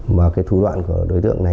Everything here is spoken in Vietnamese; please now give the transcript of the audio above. và cái thủ đoạn của đối tượng này